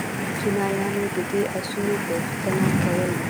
چینایانو د دې آسونو غوښتنه کوله